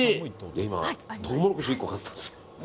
今、トウモロコシを１個買ったんですよ。